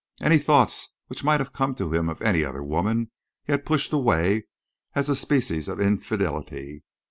Any thoughts which might have come to him of any other woman he had pushed away as a species of infidelity.